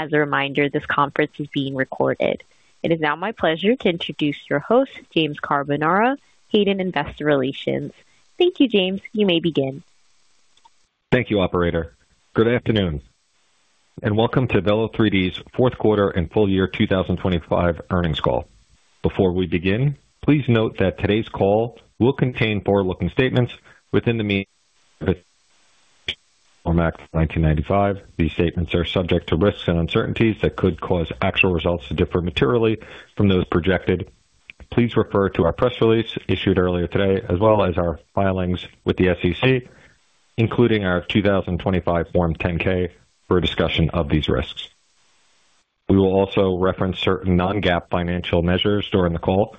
As a reminder, this conference is being recorded. It is now my pleasure to introduce your host, James Carbonara, Hayden Investor Relations. Thank you, James. You may begin. Thank you, operator. Good afternoon, and welcome to Velo3D's fourth quarter and full year 2025 earnings call. Before we begin, please note that today's call will contain forward-looking statements within the meaning of the Private Securities Litigation Reform Act of 1995. These statements are subject to risks and uncertainties that could cause actual results to differ materially from those projected. Please refer to our press release issued earlier today, as well as our filings with the SEC, including our 2025 Form 10-K for a discussion of these risks. We will also reference certain non-GAAP financial measures during the call.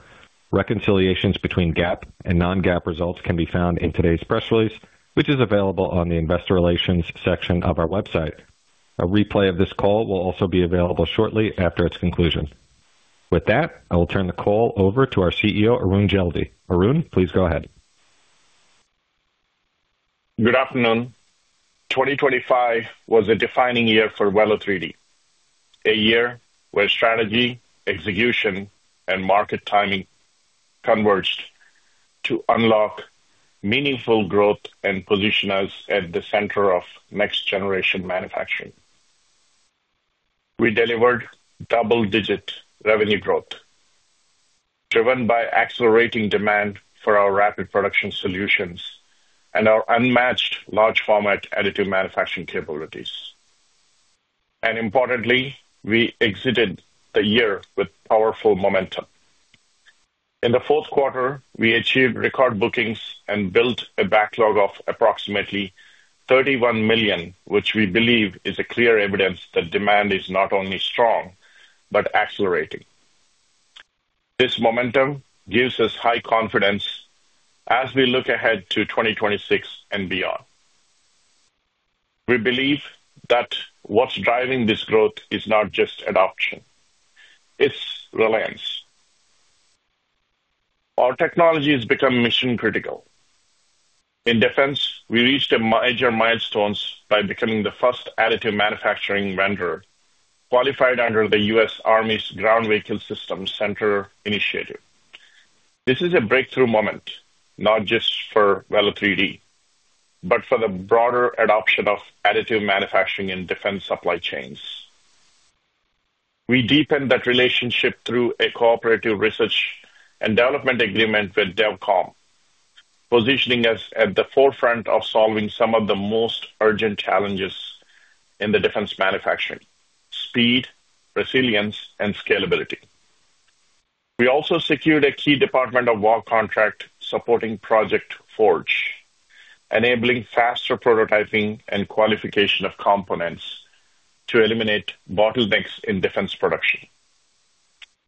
Reconciliations between GAAP and non-GAAP results can be found in today's press release, which is available on the investor relations section of our website. A replay of this call will also be available shortly after its conclusion. With that, I will turn the call over to our CEO, Arun Jeldi. Arun, please go ahead. Good afternoon. 2025 was a defining year for Velo3D. A year where strategy, execution, and market timing converged to unlock meaningful growth and position us at the center of next-generation manufacturing. We delivered double-digit revenue growth driven by accelerating demand for our Rapid Production Solutions and our unmatched large format additive manufacturing capabilities. Importantly, we exited the year with powerful momentum. In the fourth quarter, we achieved record bookings and built a backlog of approximately $31 million, which we believe is a clear evidence that demand is not only strong but accelerating. This momentum gives us high confidence as we look ahead to 2026 and beyond. We believe that what's driving this growth is not just adoption, it's reliance. Our technology has become mission-critical. In defense, we reached a major milestone by becoming the first additive manufacturing vendor qualified under the U.S. Army's Ground Vehicle Systems Center initiative. This is a breakthrough moment not just for Velo3D, but for the broader adoption of additive manufacturing in defense supply chains. We deepened that relationship through a cooperative research and development agreement with DEVCOM, positioning us at the forefront of solving some of the most urgent challenges in the defense manufacturing-speed, resilience, and scalability. We also secured a key Department of Defense contract supporting Project Forge, enabling faster prototyping and qualification of components to eliminate bottlenecks in defense production.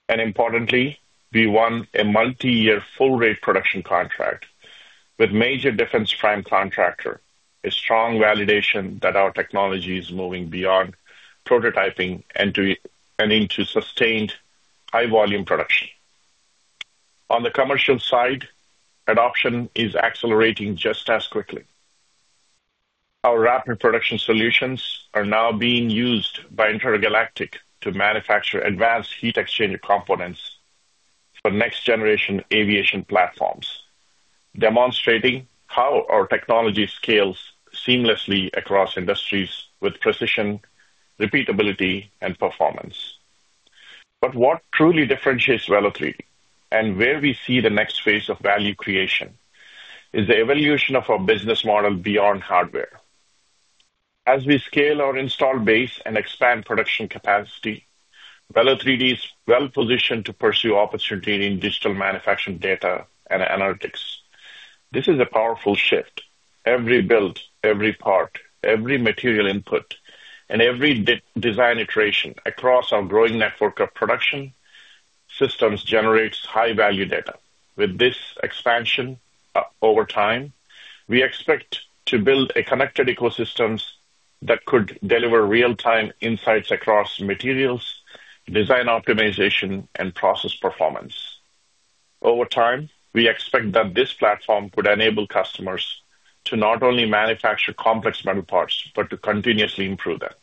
Importantly, we won a multi-year full rate production contract with major defense prime contractor, a strong validation that our technology is moving beyond prototyping and into sustained high volume production. On the commercial side, adoption is accelerating just as quickly. Our Rapid Production Solutions are now being used by Intergalactic to manufacture advanced heat exchange components for next-generation aviation platforms, demonstrating how our technology scales seamlessly across industries with precision, repeatability, and performance. What truly differentiates Velo3D, and where we see the next phase of value creation, is the evolution of our business model beyond hardware. As we scale our install base and expand production capacity, Velo3D is well positioned to pursue opportunity in digital manufacturing data and analytics. This is a powerful shift. Every build, every part, every material input, and every design iteration across our growing network of production systems generates high-value data. With this expansion, over time, we expect to build a connected ecosystem that could deliver real-time insights across materials, design optimization, and process performance. Over time, we expect that this platform would enable customers to not only manufacture complex metal parts but to continuously improve them.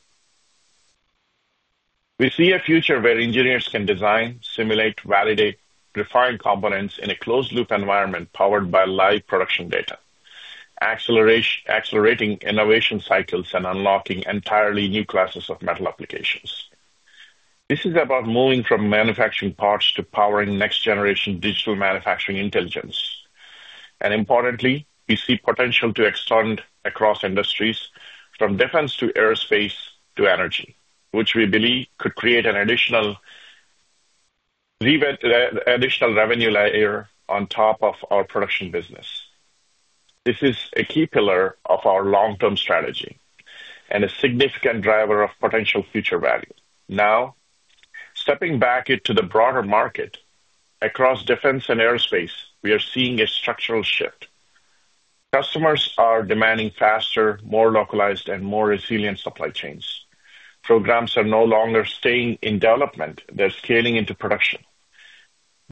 We see a future where engineers can design, simulate, validate refined components in a closed loop environment powered by live production data. Accelerating innovation cycles and unlocking entirely new classes of metal applications. This is about moving from manufacturing parts to powering next-generation digital manufacturing intelligence. Importantly, we see potential to extend across industries from defense to aerospace to energy, which we believe could create an additional revenue layer on top of our production business. This is a key pillar of our long-term strategy and a significant driver of potential future value. Now, stepping back into the broader market. Across defense and aerospace, we are seeing a structural shift. Customers are demanding faster, more localized, and more resilient supply chains. Programs are no longer staying in development. They're scaling into production.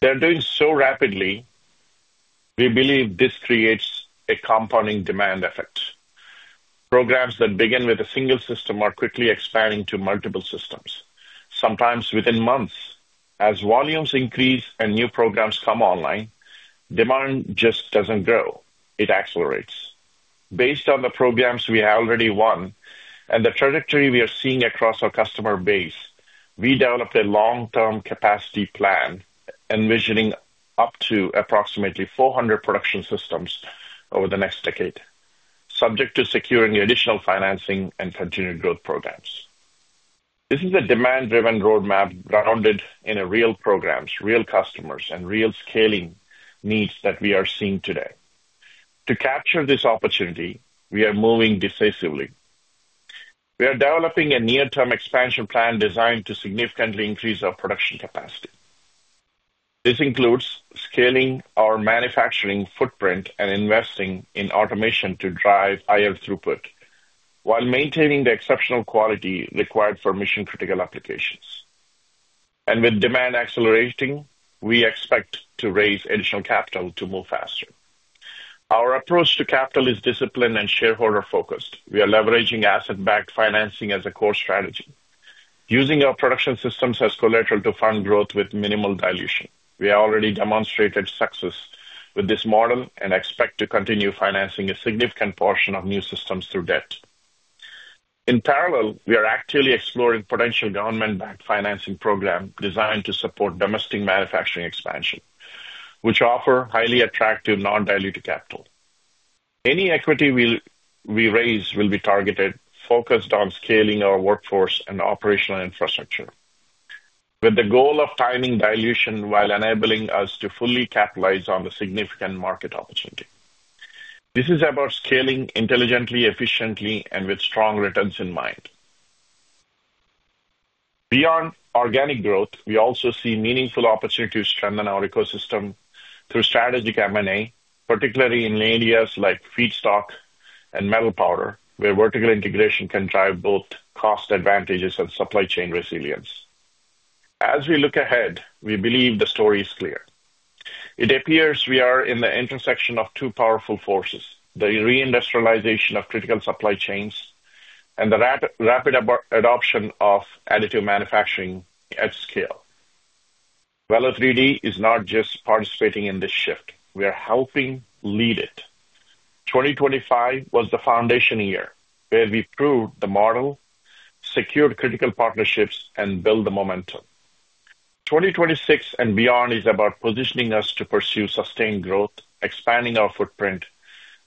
They're doing so rapidly. We believe this creates a compounding demand effect. Programs that begin with a single system are quickly expanding to multiple systems, sometimes within months. As volumes increase and new programs come online, demand just doesn't grow, it accelerates. Based on the programs we have already won and the trajectory we are seeing across our customer base, we developed a long-term capacity plan envisioning up to approximately 400 production systems over the next decade, subject to securing additional financing and continued growth programs. This is a demand-driven roadmap grounded in real programs, real customers, and real scaling needs that we are seeing today. To capture this opportunity, we are moving decisively. We are developing a near-term expansion plan designed to significantly increase our production capacity. This includes scaling our manufacturing footprint and investing in automation to drive higher throughput while maintaining the exceptional quality required for mission-critical applications. With demand accelerating, we expect to raise additional capital to move faster. Our approach to capital is disciplined and shareholder-focused. We are leveraging asset-backed financing as a core strategy, using our production systems as collateral to fund growth with minimal dilution. We already demonstrated success with this model and expect to continue financing a significant portion of new systems through debt. In parallel, we are actively exploring potential government-backed financing programs designed to support domestic manufacturing expansion, which offer highly attractive non-dilutive capital. Any equity we raise will be targeted, focused on scaling our workforce and operational infrastructure with the goal of timing dilution while enabling us to fully capitalize on the significant market opportunity. This is about scaling intelligently, efficiently, and with strong returns in mind. Beyond organic growth, we also see meaningful opportunities to strengthen our ecosystem through strategic M&A, particularly in areas like feedstock and metal powder, where vertical integration can drive both cost advantages and supply chain resilience. As we look ahead, we believe the story is clear. It appears we are in the intersection of two powerful forces, the reindustrialization of critical supply chains and the rapid adoption of additive manufacturing at scale. Velo3D is not just participating in this shift, we are helping lead it. 2025 was the foundation year where we proved the model, secured critical partnerships and built the momentum. 2026 and beyond is about positioning us to pursue sustained growth, expanding our footprint,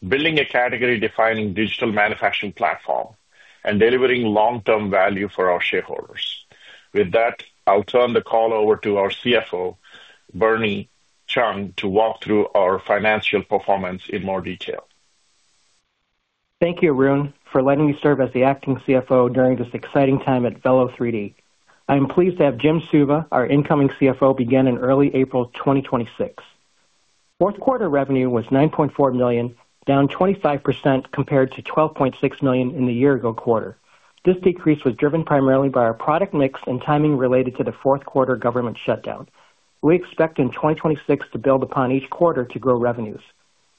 building a category-defining digital manufacturing platform, and delivering long-term value for our shareholders. With that, I'll turn the call over to our CFO, Bernard Chung, to walk through our financial performance in more detail. Thank you, Arun, for letting me serve as the acting CFO during this exciting time at Velo3D. I am pleased to have Jim Suva, our incoming CFO, begin in early April 2026. Fourth quarter revenue was $9.4 million, down 25% compared to $12.6 million in the year ago quarter. This decrease was driven primarily by our product mix and timing related to the fourth-quarter government shutdown. We expect in 2026 to build upon each quarter to grow revenues.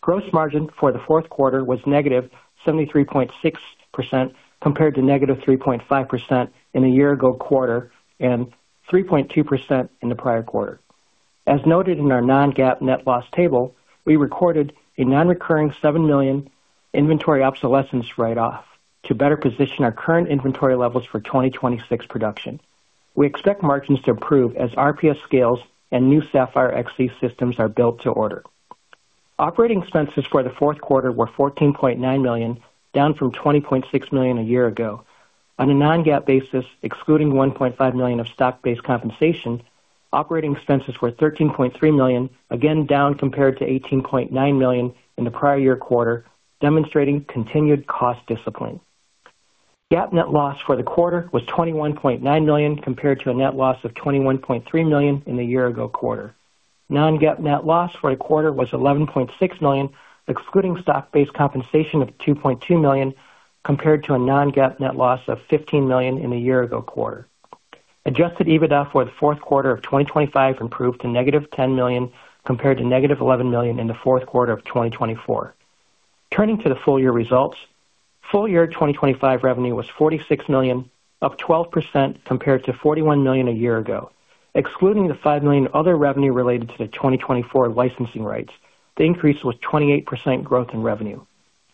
Gross margin for the fourth quarter was negative 73.6% compared to negative 3.5% in the year ago quarter and 3.2% in the prior quarter. As noted in our non-GAAP net loss table, we recorded a non-recurring $7 million inventory obsolescence write-off to better position our current inventory levels for 2026 production. We expect margins to improve as RPS scales and new Sapphire XC systems are built to order. Operating expenses for the fourth quarter were $14.9 million, down from $20.6 million a year ago. On a non-GAAP basis, excluding $1.5 million of stock-based compensation, operating expenses were $13.3 million, again down compared to $18.9 million in the prior year quarter, demonstrating continued cost discipline. GAAP net loss for the quarter was $21.9 million, compared to a net loss of $21.3 million in the year ago quarter. Non-GAAP net loss for the quarter was $11.6 million, excluding stock-based compensation of $2.2 million, compared to a non-GAAP net loss of $15 million in the year ago quarter. Adjusted EBITDA for the fourth quarter of 2025 improved to -$10 million compared to -$11 million in the fourth quarter of 2024. Turning to the full year results. Full-year 2025 revenue was $46 million, up 12% compared to $41 million a year ago. Excluding the $5 million other revenue related to the 2024 licensing rights, the increase was 28% growth in revenue.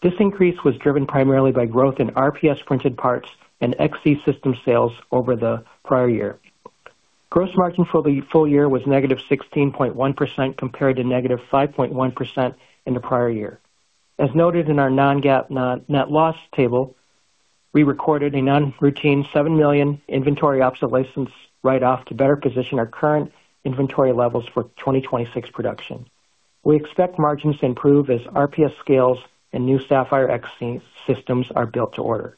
This increase was driven primarily by growth in RPS printed parts and XC system sales over the prior year. Gross margin for the full year was -16.1% compared to -5.1% in the prior year. As noted in our non-GAAP net loss table, we recorded a non-routine $7 million inventory obsolescence write-off to better position our current inventory levels for 2026 production. We expect margins to improve as RPS scales and new Sapphire XC systems are built to order.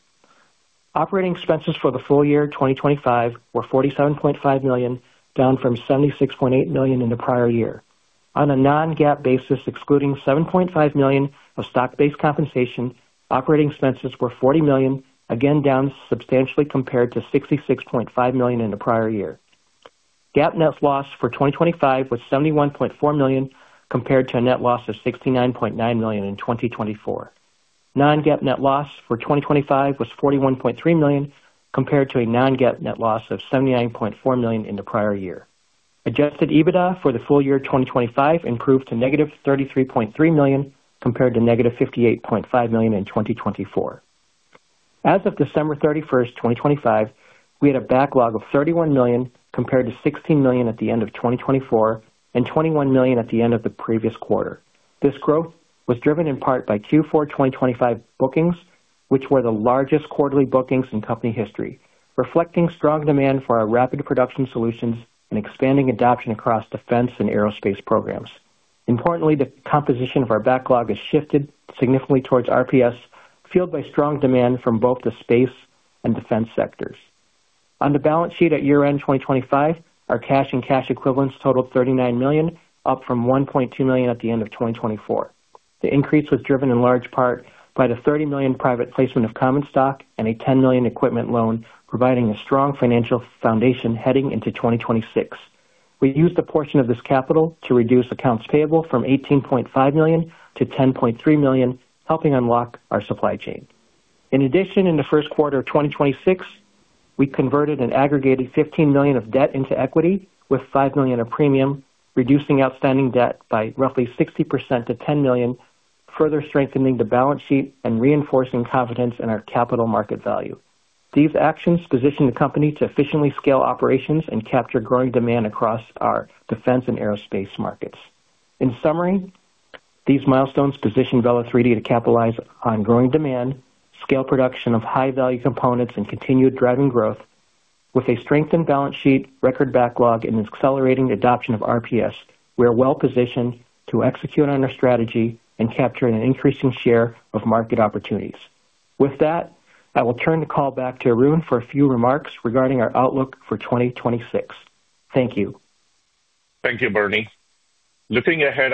Operating expenses for the full year 2025 were $47.5 million, down from $76.8 million in the prior year. On a non-GAAP basis, excluding $7.5 million of stock-based compensation, operating expenses were $40 million, again down substantially compared to $66.5 million in the prior year. GAAP net loss for 2025 was $71.4 million compared to a net loss of $69.9 million in 2024. Non-GAAP net loss for 2025 was $41.3 million compared to a non-GAAP net loss of $79.4 million in the prior year. Adjusted EBITDA for the full year 2025 improved to -$33.3 million compared to -$58.5 million in 2024. As of December 31, 2025, we had a backlog of $31 million compared to $16 million at the end of 2024 and $21 million at the end of the previous quarter. This growth was driven in part by Q4 2025 bookings, which were the largest quarterly bookings in company history, reflecting strong demand for our Rapid Production Solutions and expanding adoption across defense and aerospace programs. Importantly, the composition of our backlog has shifted significantly towards RPS, fueled by strong demand from both the space and defense sectors. On the balance sheet at year-end 2025, our cash and cash equivalents totaled $39 million, up from $1.2 million at the end of 2024. The increase was driven in large part by the $30 million private placement of common stock and a $10 million equipment loan, providing a strong financial foundation heading into 2026. We used a portion of this capital to reduce accounts payable from $18.5 million to $10.3 million, helping unlock our supply chain. In addition, in the first quarter of 2026, we converted an aggregated $15 million of debt into equity with $5 million of premium, reducing outstanding debt by roughly 60% to $10 million, further strengthening the balance sheet and reinforcing confidence in our capital market value. These actions position the company to efficiently scale operations and capture growing demand across our defense and aerospace markets. In summary, these milestones position Velo3D to capitalize on growing demand, scale production of high-value components, and continued driving growth. With a strengthened balance sheet, record backlog, and accelerating adoption of RPS, we are well positioned to execute on our strategy and capture an increasing share of market opportunities. With that, I will turn the call back to Arun for a few remarks regarding our outlook for 2026. Thank you. Thank you, Bernie. Looking ahead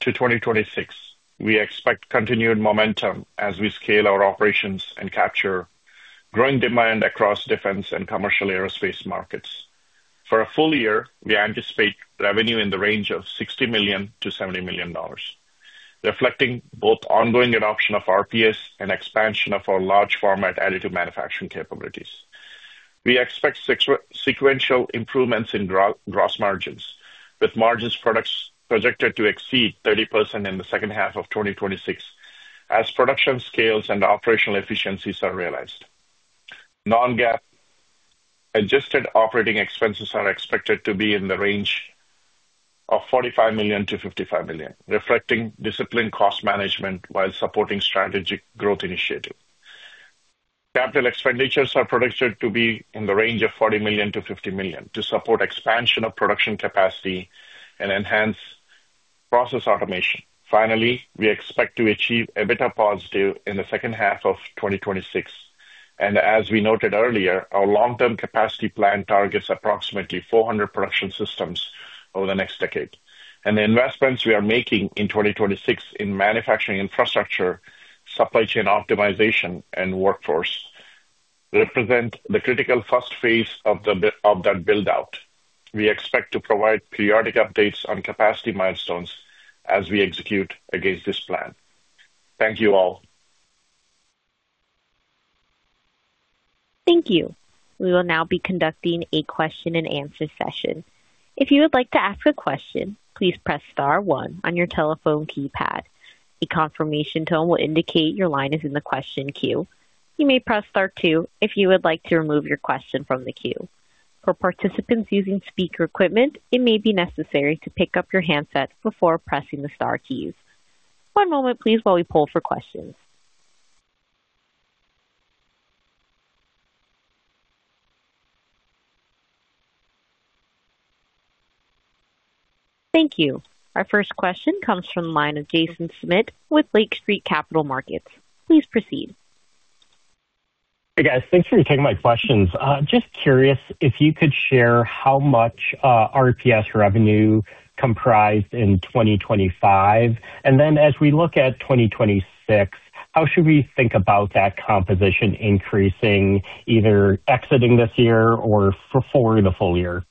to 2026, we expect continued momentum as we scale our operations and capture growing demand across defense and commercial aerospace markets. For a full year, we anticipate revenue in the range of $60 million-$70 million, reflecting both ongoing adoption of RPS and expansion of our large format additive manufacturing capabilities. We expect sequential improvements in gross margins, with product margins projected to exceed 30% in the second half of 2026 as production scales and operational efficiencies are realized. Non-GAAP adjusted operating expenses are expected to be in the range of $45 million-$55 million, reflecting disciplined cost management while supporting strategic growth initiatives. Capital expenditures are projected to be in the range of $40 million-$50 million to support expansion of production capacity and enhance process automation. Finally, we expect to achieve EBITDA positive in the second half of 2026. As we noted earlier, our long-term capacity plan targets approximately 400 production systems over the next decade. The investments we are making in 2026 in manufacturing infrastructure, supply chain optimization, and workforce represent the critical first phase of that build out. We expect to provide periodic updates on capacity milestones as we execute against this plan. Thank you all. Thank you. We will now be conducting a question and answer session. If you would like to ask a question, please press star one on your telephone keypad. A confirmation tone will indicate your line is in the question queue. You may press star two if you would like to remove your question from the queue. For participants using speaker equipment, it may be necessary to pick up your handset before pressing the star keys. One moment please while we poll for questions. Thank you. Our first question comes from the line of Jason Smith with Lake Street Capital Markets. Please proceed. Hey, guys. Thanks for taking my questions. Just curious if you could share how much RPS revenue comprised in 2025. Then as we look at 2026, how should we think about that composition increasing, either exiting this year or for the full year?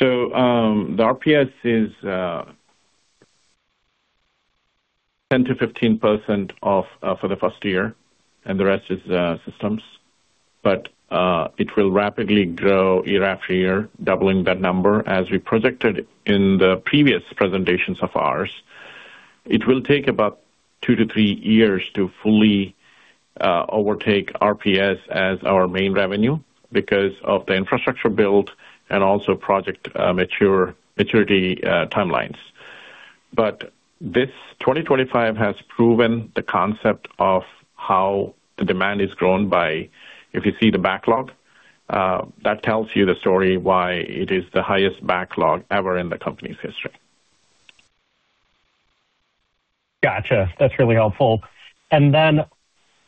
The RPS is 10%-15% for the first year and the rest is systems. It will rapidly grow year after year, doubling that number. As we projected in the previous presentations of ours, it will take about 2-3 years to fully overtake RPS as our main revenue because of the infrastructure build and also project maturity timelines. This 2025 has proven the concept of how the demand is grown by. If you see the backlog, that tells you the story why it is the highest backlog ever in the company's history. Gotcha. That's really helpful.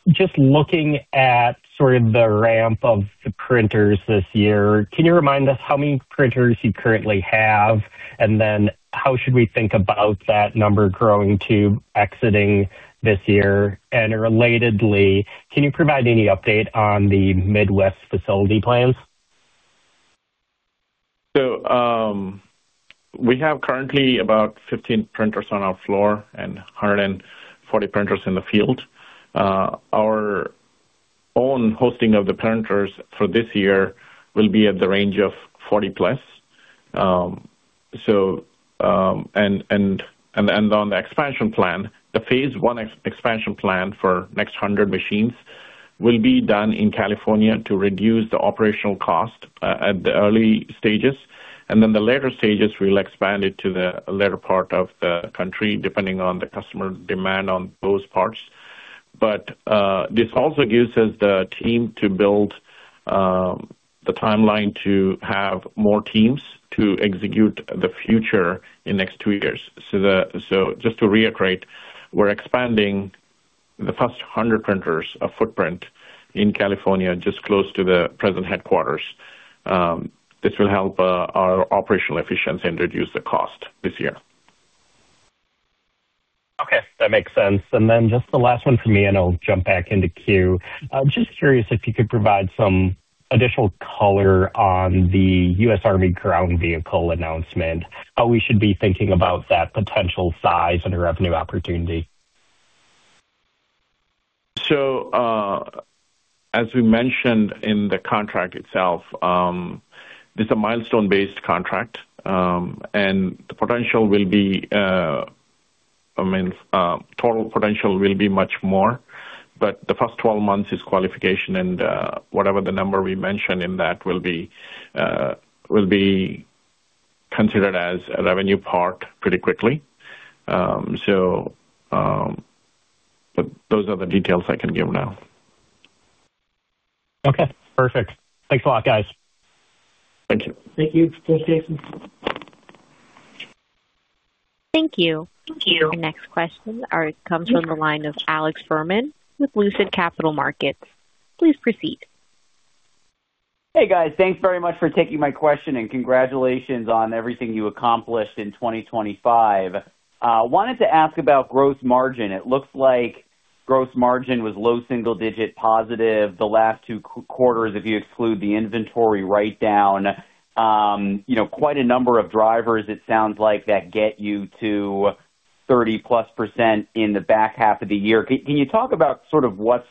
Just looking at sort of the ramp of the printers this year, can you remind us how many printers you currently have? How should we think about that number growing to exiting this year? Relatedly, can you provide any update on the Midwest facility plans? We have currently about 15 printers on our floor and 140 printers in the field. Our own hosting of the printers for this year will be at the range of 40+. On the expansion plan, the phase one expansion plan for next 100 machines will be done in California to reduce the operational cost at the early stages, and then the later stages, we'll expand it to the later part of the country, depending on the customer demand on those parts. This also gives us the time to build the timeline to have more teams to execute the future in next 2 years. Just to reiterate, we're expanding the first 100 printers of footprint in California, just close to the present headquarters. This will help our operational efficiency and reduce the cost this year. Okay, that makes sense. Just the last one for me, and I'll jump back into queue. I'm just curious if you could provide some additional color on the U.S. Army ground vehicle announcement, how we should be thinking about that potential size and the revenue opportunity. As we mentioned in the contract itself, it's a milestone-based contract, and the potential will be, I mean, total potential will be much more, but the first 12 months is qualification and, whatever the number we mention in that will be, will be considered as a revenue part pretty quickly. Those are the details I can give now. Okay, perfect. Thanks a lot, guys. Thank you. Thank you. Thanks, Jason. Thank you. Our next question comes from the line of Alex Fuhrman with Lucid Capital Markets. Please proceed. Hey, guys. Thanks very much for taking my question and congratulations on everything you accomplished in 2025. Wanted to ask about gross margin. It looks like gross margin was low single-digit positive the last two quarters if you exclude the inventory write down. You know, quite a number of drivers it sounds like that get you to 30%+ in the back half of the year. Can you talk about sort of what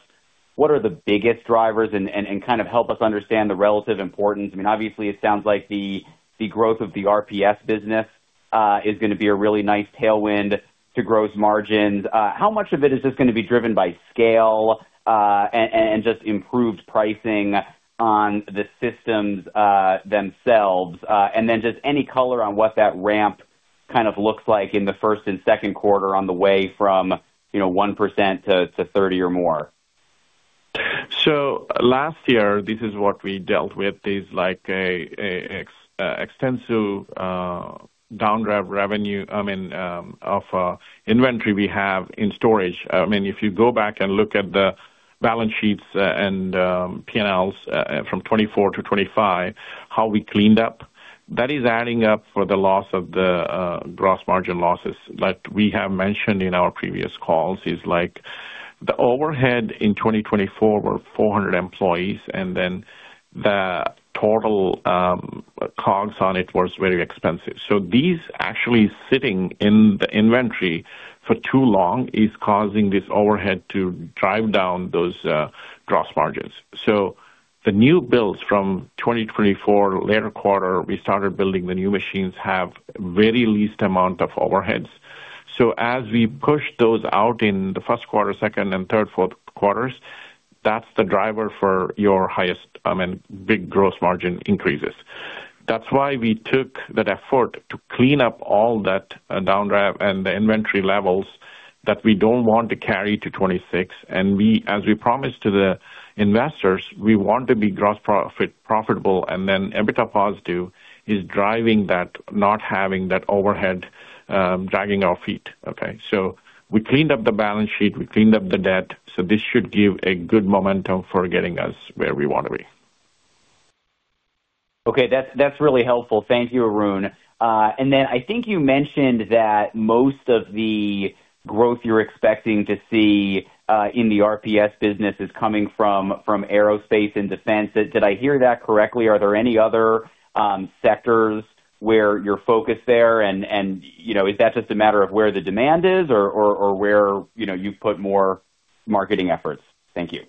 are the biggest drivers and kind of help us understand the relative importance? I mean, obviously it sounds like the growth of the RPS business is gonna be a really nice tailwind to gross margins. How much of it is just gonna be driven by scale and just improved pricing on the systems themselves? Just any color on what that ramp kind of looks like in the first and second quarter on the way from, you know, 1% to 30% or more. Last year, this is what we dealt with, like an extensive inventory we have in storage. I mean, if you go back and look at the balance sheets and P&Ls from 2024 to 2025, how we cleaned up, that is adding up for the loss of the gross margin losses. Like we have mentioned in our previous calls, like the overhead in 2024 were 400 employees, and then the total COGS on it was very expensive. These actually sitting in the inventory for too long is causing this overhead to drive down those gross margins. The new builds from 2024 later quarter, we started building the new machines have very least amount of overheads. As we push those out in the first quarter, second and third, fourth quarters, that's the driver for your highest, I mean, big gross margin increases. That's why we took that effort to clean up all that downdraft and the inventory levels that we don't want to carry to 2026. As we promised to the investors, we want to be gross profit profitable and then EBITDA positive is driving that, not having that overhead, dragging our feet. Okay, we cleaned up the balance sheet, we cleaned up the debt, this should give a good momentum for getting us where we want to be. Okay. That's really helpful. Thank you, Arun. Then I think you mentioned that most of the growth you're expecting to see in the RPS business is coming from aerospace and defense. Did I hear that correctly? Are there any other sectors where you're focused there? You know, is that just a matter of where the demand is or where you've put more marketing efforts? Thank you.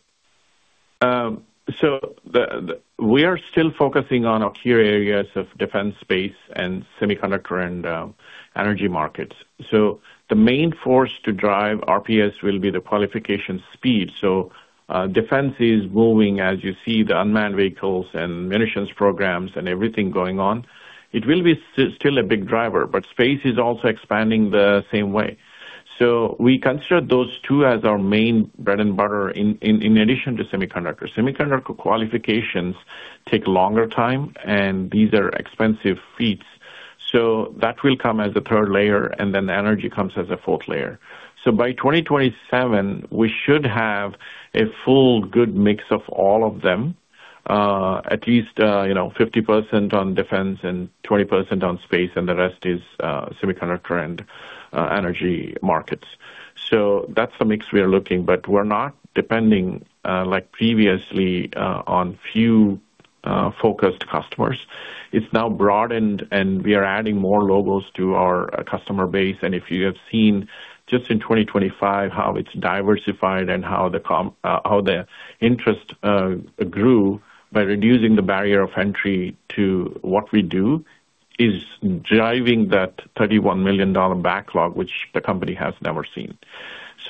We are still focusing on our key areas of defense, Space, semiconductor, and energy markets. The main force to drive RPS will be the qualification speed. Defense is moving as you see the unmanned vehicles and munitions programs and everything going on. It will be still a big driver, but space is also expanding the same way. We consider those two as our main bread and butter in addition to semiconductors. Semiconductor qualifications take longer time, and these are expensive feats. That will come as a third layer, and then the energy comes as a fourth layer. By 2027 we should have a full good mix of all of them, at least, you know, 50% on defense and 20% on space, and the rest is semiconductor and energy markets. That's the mix we are looking, but we're not depending, like previously, on few focused customers. It's now broadened, and we are adding more logos to our customer base. If you have seen just in 2025 how it's diversified and how the interest grew by reducing the barrier of entry to what we do is driving that $31 million backlog which the company has never seen.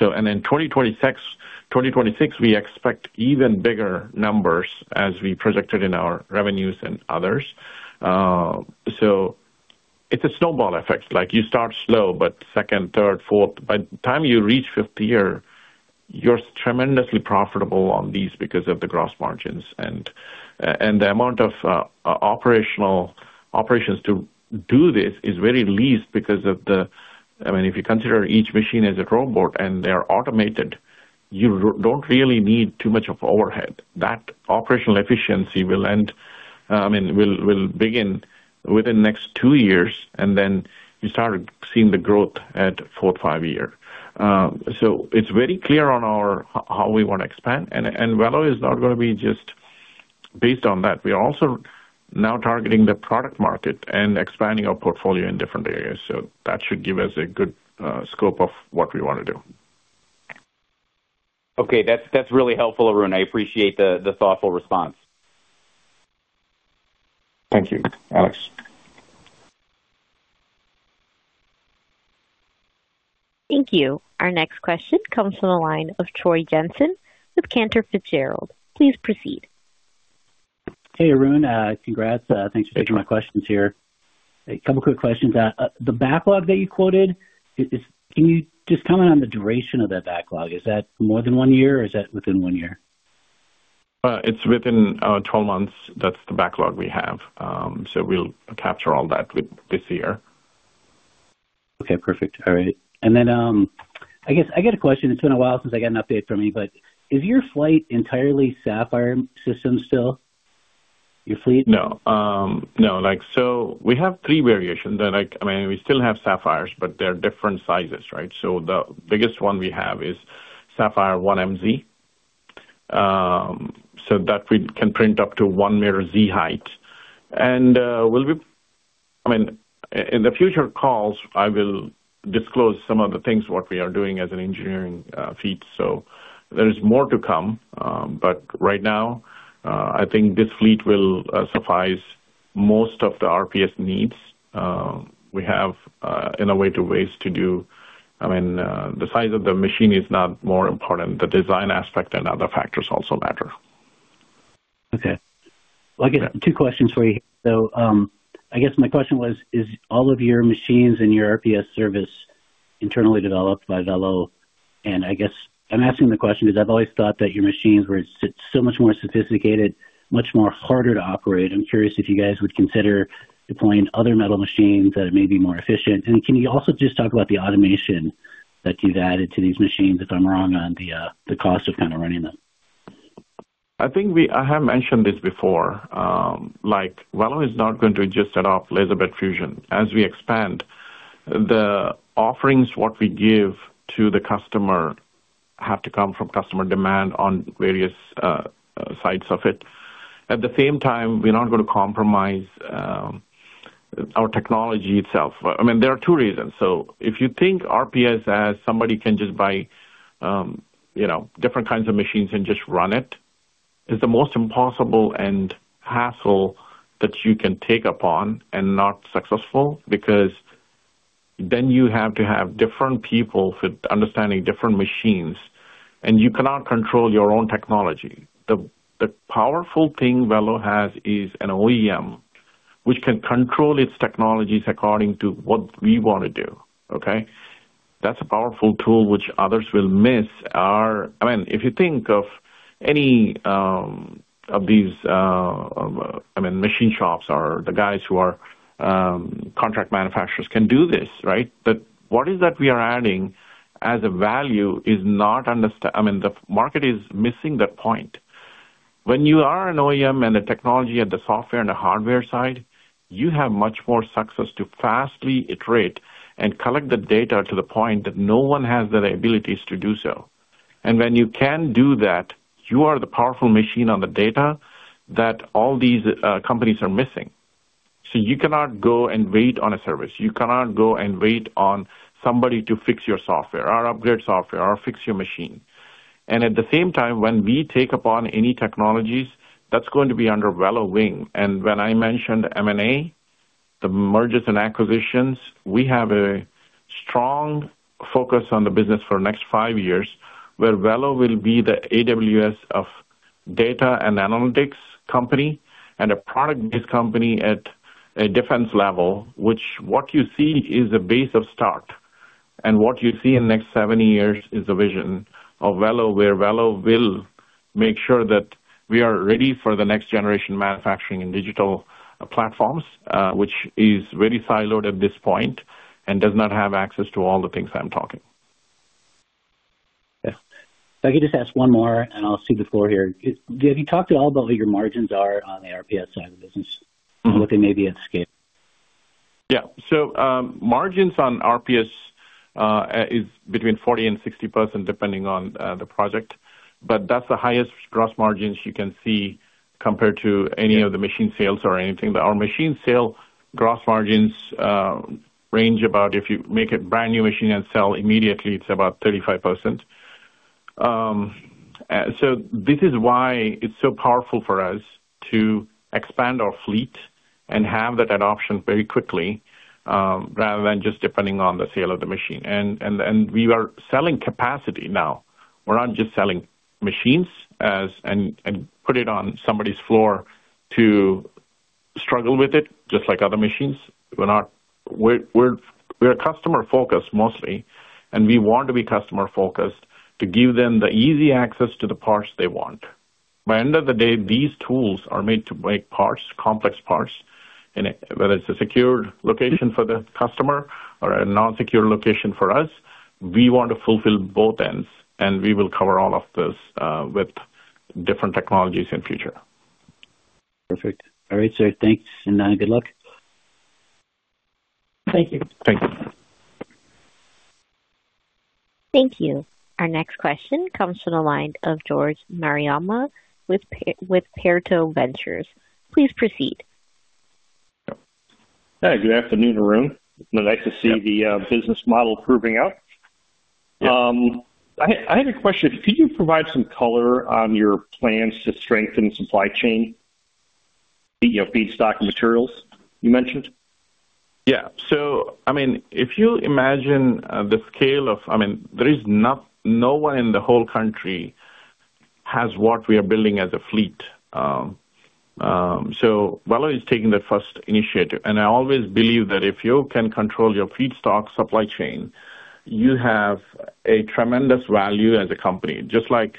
In 2026 we expect even bigger numbers as we projected in our revenues and others. It's a snowball effect, like you start slow, but second, third, fourth, by the time you reach fifth year, you're tremendously profitable on these because of the gross margins and the amount of operations to do this is very least because of the. I mean, if you consider each machine as a robot and they are automated, you don't really need too much of overhead. That operational efficiency will begin within next 2 years, and then you start seeing the growth at 4th, 5th year. It's very clear on our how we wanna expand and Velo is not gonna be just based on that. We are also now targeting the product market and expanding our portfolio in different areas. That should give us a good scope of what we wanna do. Okay. That's really helpful, Arun. I appreciate the thoughtful response. Thank you, Alex. Thank you. Our next question comes from the line of Troy Jensen with Cantor Fitzgerald. Please proceed. Hey, Arun, congrats. Thanks for taking my questions here. A couple quick questions. The backlog that you quoted, can you just comment on the duration of that backlog? Is that more than one year or is that within one year? It's within 12 months. That's the backlog we have. We'll capture all that with this year. Okay. Perfect. All right. I guess I get a question. It's been a while since I got an update from you, but is your fleet entirely Sapphire systems still? Your fleet. No. No. Like, we have three variations and, like, I mean, we still have Sapphires, but they're different sizes, right? The biggest one we have is Sapphire 1MZ. So that we can print up to one meter Z height. I mean, in the future calls, I will disclose some of the things what we are doing as an engineering feat, so there is more to come. Right now, I think this fleet will suffice most of the RPS needs. We have, in a way, two ways to do. I mean, the size of the machine is not more important, the design aspect and other factors also matter. Okay. Well, I got two questions for you. I guess my question was, is all of your machines in your RPS service internally developed by Velo? I guess I'm asking the question because I've always thought that your machines were so much more sophisticated, much more harder to operate. I'm curious if you guys would consider deploying other metal machines that may be more efficient. Can you also just talk about the automation that you've added to these machines, if I'm wrong on the cost of kind of running them? I have mentioned this before, like, Velo is not going to just settle for laser powder bed fusion. As we expand the offerings, what we give to the customer have to come from customer demand on various sides of it. At the same time, we're not gonna compromise our technology itself. I mean, there are two reasons. If you think RPS as somebody can just buy, you know, different kinds of machines and just run it, is the most impossible hassle that you can take on and not successful, because then you have to have different people for understanding different machines, and you cannot control your own technology. The powerful thing Velo has is an OEM which can control its technologies according to what we wanna do, okay? That's a powerful tool which others will miss. I mean, if you think of any of these machine shops or the guys who are contract manufacturers can do this, right? What is that we are adding as a value? I mean, the market is missing that point. When you are an OEM and the technology at the software and the hardware side, you have much more success to fastly iterate and collect the data to the point that no one has the abilities to do so. When you can do that, you are the powerful machine on the data that all these companies are missing. You cannot go and wait on a service. You cannot go and wait on somebody to fix your software or upgrade software or fix your machine. At the same time, when we take upon any technologies, that's going to be under Velo wing. When I mentioned M&A, the mergers and acquisitions, we have a strong focus on the business for next five years, where Velo will be the AWS of data and analytics company and a product-based company at a defense level, which what you see is the base of start. What you see in the next seven years is the vision of Velo, where Velo will make sure that we are ready for the next generation manufacturing and digital platforms, which is very siloed at this point and does not have access to all the things I'm talking. Yeah. If I could just ask one more, and I'll cede the floor here. Have you talked at all about what your margins are on the RPS side of the business? Mm-hmm. what they may be at scale? Yeah. Margins on RPS is between 40% and 60%, depending on the project, but that's the highest gross margins you can see compared to any of the machine sales or anything. Our machine sale gross margins range about if you make a brand-new machine and sell immediately, it's about 35%. This is why it's so powerful for us to expand our fleet and have that adoption very quickly, rather than just depending on the sale of the machine. We are selling capacity now. We're not just selling machines and put it on somebody's floor to struggle with it just like other machines. We're customer-focused mostly, and we want to be customer-focused to give them the easy access to the parts they want. By end of the day, these tools are made to make parts, complex parts, whether it's a secured location for the customer or a non-secure location for us, we want to fulfill both ends, and we will cover all of this with different technologies in future. Perfect. All right, sir. Thanks, and good luck. Thank you. Thank you. Thank you. Our next question comes to the line of George Mariama with Pareto Ventures. Please proceed. Hi. Good afternoon, Arun. Nice to see the business model proving out. Yeah. I had a question. Could you provide some color on your plans to strengthen supply chain, you know, feedstock materials you mentioned? Yeah. I mean, if you imagine the scale of I mean, there is no one in the whole country has what we are building as a fleet. Velo is taking the first initiative. I always believe that if you can control your feedstock supply chain, you have a tremendous value as a company. Just like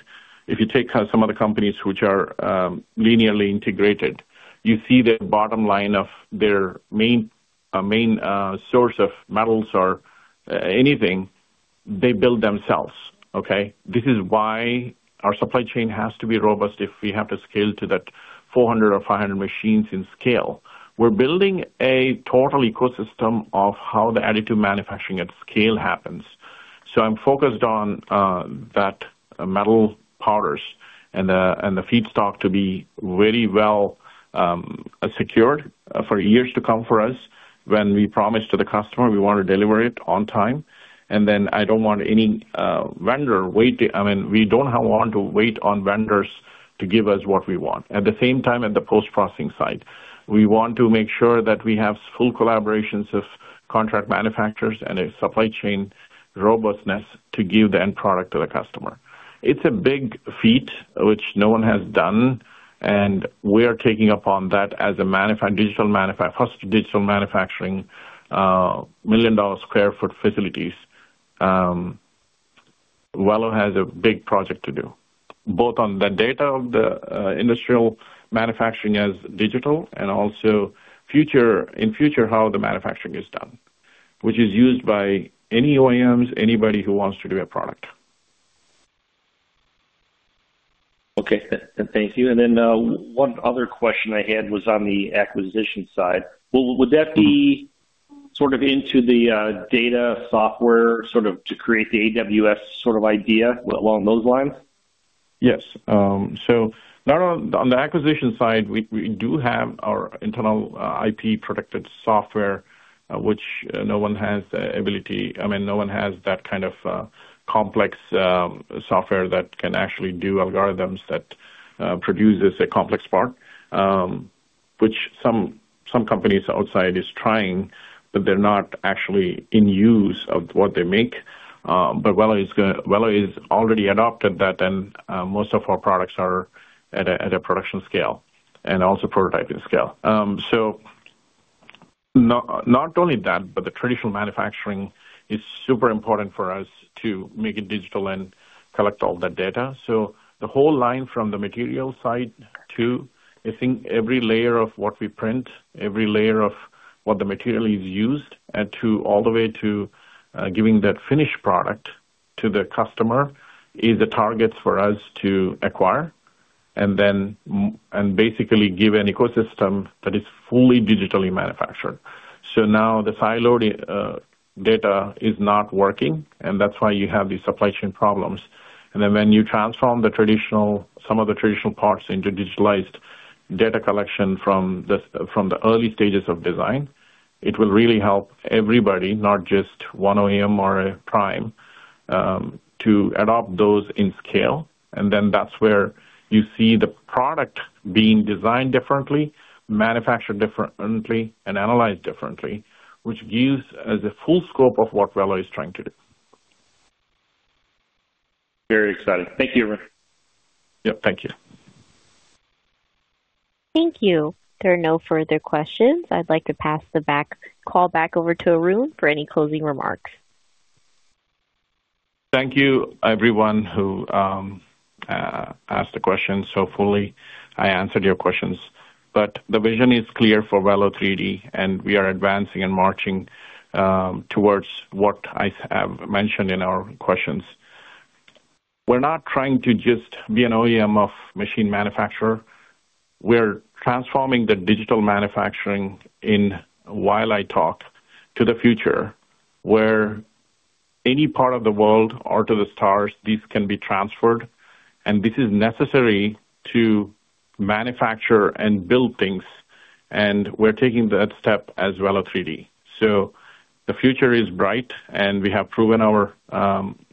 if you take some of the companies which are vertically integrated, you see the bottom line of their main source of metals or anything they build themselves, okay? This is why our supply chain has to be robust if we have to scale to that 400 or 500 machines in scale. We're building a total ecosystem of how the additive manufacturing at scale happens. I'm focused on that metal powders and the feedstock to be very well secured for years to come for us. When we promise to the customer, we want to deliver it on time. I don't want any vendor wait. I mean, we don't want to wait on vendors to give us what we want. At the same time, at the post-processing side, we want to make sure that we have full collaborations of contract manufacturers and a supply chain robustness to give the end product to the customer. It's a big feat which no one has done, and we are taking upon that as first digital manufacturing million square foot facilities. Velo has a big project to do, both on the data of the industrial manufacturing as digital and also future, in future how the manufacturing is done, which is used by any OEMs, anybody who wants to do a product. Okay. Thank you. One other question I had was on the acquisition side. Would that be sort of into the data software sort of to create the AWS sort of idea along those lines? Yes. On the acquisition side, we do have our internal IP-protected software, which no one has the ability. I mean, no one has that kind of complex software that can actually do algorithms that produces a complex part, which some companies outside is trying, but they're not actually in use of what they make. Velo is already adopted that and most of our products are at a production scale and also prototyping scale. Not only that, but the traditional manufacturing is super important for us to make it digital and collect all the data. The whole line from the material side to I think every layer of what we print, every layer of what the material is used, and all the way to giving that finished product to the customer is the targets for us to acquire and then M&A basically give an ecosystem that is fully digitally manufactured. Now the siloed data is not working, and that's why you have these supply chain problems. When you transform some of the traditional parts into digitalized data collection from the early stages of design, it will really help everybody, not just one OEM or a prime, to adopt those in scale. That's where you see the product being designed differently, manufactured differently, and analyzed differently, which gives the full scope of what Velo is trying to do. Very exciting. Thank you, Arun. Yep. Thank you. Thank you. There are no further questions. I'd like to pass the call back over to Arun for any closing remarks. Thank you, everyone who asked the questions so fully. I answered your questions. The vision is clear for Velo3D, and we are advancing and marching towards what I have mentioned in our questions. We're not trying to just be an OEM of machine manufacturer. We are transforming the digital manufacturing in, while I talk, to the future, where any part of the world or to the stars, this can be transferred, and this is necessary to manufacture and build things, and we're taking that step as Velo3D. The future is bright, and we have proven our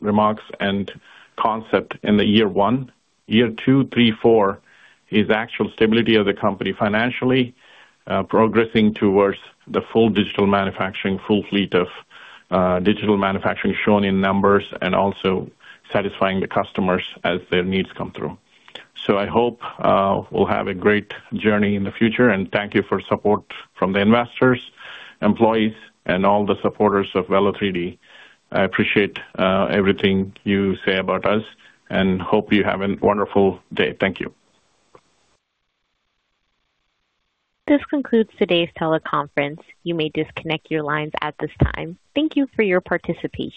remarks and concept in the year one. Year two, three, four is actual stability of the company financially, progressing towards the full digital manufacturing, full fleet of digital manufacturing shown in numbers, and also satisfying the customers as their needs come through. I hope we'll have a great journey in the future, and thank you for support from the investors, employees, and all the supporters of Velo3D. I appreciate everything you say about us and hope you have a wonderful day. Thank you. This concludes today's teleconference. You may disconnect your lines at this time. Thank you for your participation.